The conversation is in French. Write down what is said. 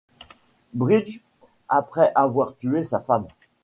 Bridge après avoir tué sa femme.